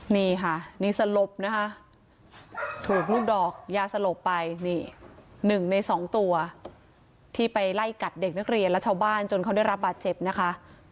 นี่ค่ะนี่สลบนะคะถูกลูกดอกยาสลบไปนี่๑ใน๒ตัวที่ไปไล่กัดเด็กนักเรียนและชาวบ้านจนเขาได้รับบาดเจ็บนะคะ